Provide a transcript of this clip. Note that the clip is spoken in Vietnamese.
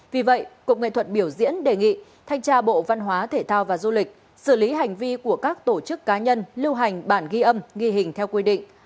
vì vậy cục nghệ thuật biểu diễn đề nghị thanh tra bộ văn hóa thể thao và du lịch xử lý hành vi của các tổ chức cá nhân lưu hành bản ghi âm ghi hình theo quy định